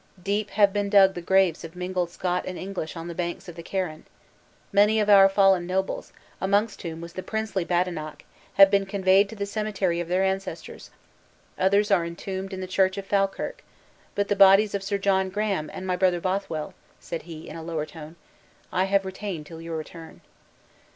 Deep have been dug the graves of mingled Scot and English on the banks of the Carron! Many of our fallen nobles, amongst whom was the princely Badenoch, have been conveyed to the cemetery of their ancestors; others are entombed in the church of Falkirk; but the bodies of Sir John Graham and my brother Bothwell," said he, in a lower tone, "I have retained till your return."